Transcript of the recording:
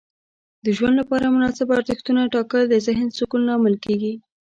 د ژوند لپاره مناسب ارزښتونه ټاکل د ذهن سکون لامل کیږي.